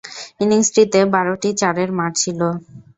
ইনিংসটিতে বারোটি চারের মার ছিল।